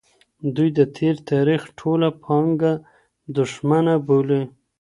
دوی د تېر تاریخ ټوله پانګه دښمنه بولي.